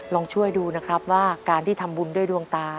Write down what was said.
ลองช่วยดูนะครับว่าการที่ทำบุญด้วยดวงตา